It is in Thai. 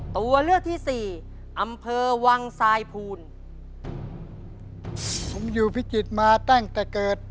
ตัวเลือกที่สี่อำเภอวังทรายภูลผมอยู่พิจิตรมาตั้งแต่เกิด